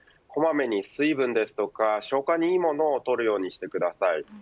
こまめに水分ですとか消化にいいものを取るようにしてください。